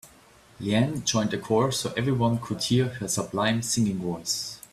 Leanne joined a choir so everyone could hear her sublime singing voice.